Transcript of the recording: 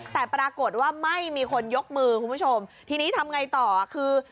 แต่ปรากฏว่าไม่มีคนยกมือคุณผู้ชมทีนี้ทำไงต่อคือ